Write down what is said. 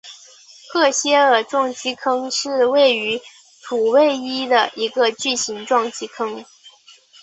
赫歇尔撞击坑是位于土卫一的一个巨型撞击坑。